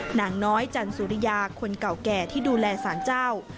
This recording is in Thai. นางน้อยจันสุริยาคนเก่าแก่ที่ดูแลสารเจ้า